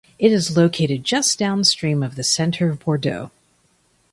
It is located just downstream of the centre of Bordeaux.